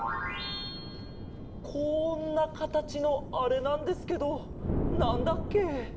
こんなかたちのあれなんですけどなんだっけ？